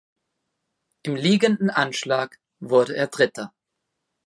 Im liegenden Anschlag wurde er Dritter.